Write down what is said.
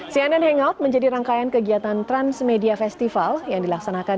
cnn hangout menjadi rangkaian kegiatan transmedia festival yang dilaksanakan